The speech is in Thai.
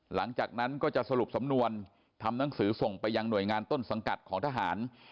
หลังจากนั้นก็จะสรุปสำนวนทำหนังสือส่งไปยังหน่วยงานต้นสังกัดของทหาร